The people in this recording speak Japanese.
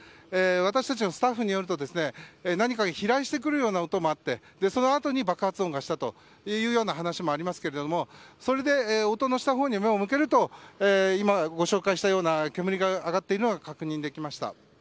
私たちのスタッフによると何か飛来してくる音もあってそのあとに爆発音がしたという話もありますがそれで、音のしたほうに目を向けると今、ご紹介したような煙が上がっているのが確認できました。